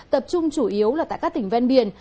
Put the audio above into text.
tập trung chủ yếu là tại các tỉnh ven biển